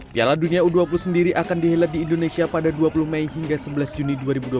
piala dunia u dua puluh sendiri akan dihelat di indonesia pada dua puluh mei hingga sebelas juni dua ribu dua puluh